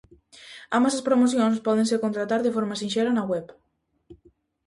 Ambas as promocións pódense contratar de forma sinxela na web.